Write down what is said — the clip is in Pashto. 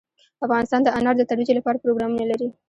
افغانستان د انار د ترویج لپاره پروګرامونه لري.